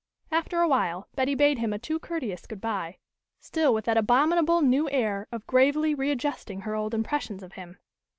After a while, Betty bade him a too courteous good by, still with that abominable new air of gravely readjusting her old impressions of him.